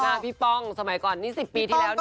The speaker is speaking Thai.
พี่ป้องสมัยก่อนนี่๑๐ปีที่แล้วนะ